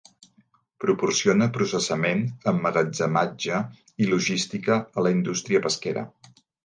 Proporciona processament, emmagatzematge i logística a la indústria pesquera.